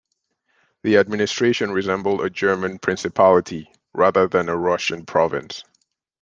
The administration resembled a German principality, rather than a Russian province.